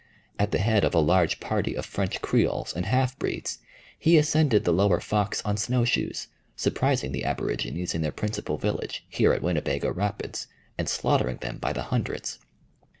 At the head of a large party of French creoles and half breeds, he ascended the lower Fox on snowshoes, surprising the aborigines in their principal village, here at Winnebago Rapids, and slaughtering them by the hundreds.